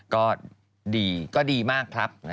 ก็ดีก็ดีมากครับ